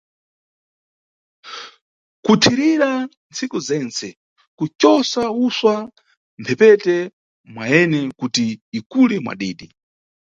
Kuthirizira ntsiku zentse, kucosa usva mʼmphepete mwayene kuti ikule mwa didi.